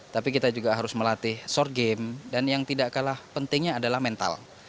tapi kita juga harus melatih short game dan yang tidak kalah pentingnya adalah mental